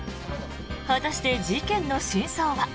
果たして事件の真相は？